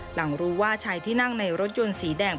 หลังรู้ว่าชายที่นั่งในรถยนต์สีแดง